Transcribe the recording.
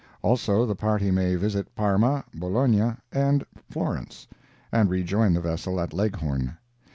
Also, the party may visit Parma, Bologna and Florence, and rejoin the vessel at Leghorn.